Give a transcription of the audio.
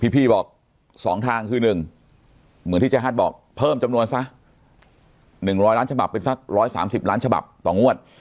พี่บอก๒ทางคือ๑เหมือนที่เจ๊ฮัทบอกเพิ่มจำนวนซะ๑๐๐ล้านฉบับเป็นสัก๑๓๐ล้านฉบับต่องวด